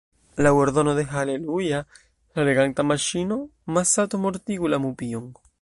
Laŭ ordono de Haleluja, la reganta maŝino, Masato mortigu la mupion.